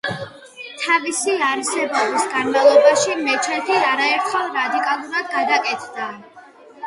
თავისი არსებობის განმავლობაში მეჩეთი არაერთხელ რადიკალურად გადაკეთდა.